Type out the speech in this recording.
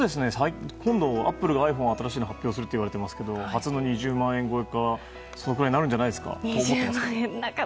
今度、アップルがｉＰｈｏｎｅを新しく販売するとしていますが初の２０万円超えかそのくらいになるんじゃないですか。